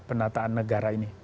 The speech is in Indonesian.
penataan negara ini